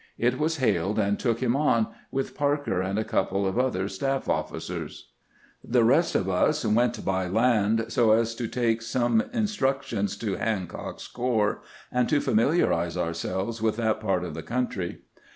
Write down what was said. It was hailed, and took him on, with Parker and a couple of other staff officers. The rest of us A BRILLIANT SPECTACLE 201 went by land, so as to take some instructions to Han cock's corps and to familiarize ourselves with that part of the country.